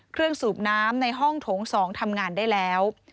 สูบน้ำในห้องโถง๒ทำงานได้แล้ว